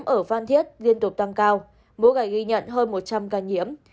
các hoạt động ở phan thiết liên tục tăng cao mỗi ngày ghi nhận hơn một trăm linh ca nhiễm